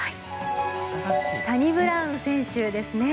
サニブラウン選手ですね。